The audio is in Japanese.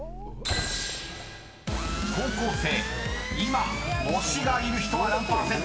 ［高校生今推しがいる人は何％か］